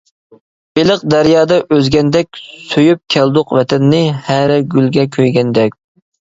بېلىق دەريادا ئۈزگەندەك، سۆيۈپ كەلدۇق ۋەتەننى، ھەرە گۈلگە كۆيگەندەك.